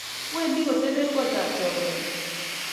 wendi koteben kotab chorwenyin